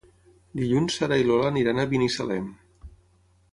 Dilluns na Sara i na Lola iran a Binissalem.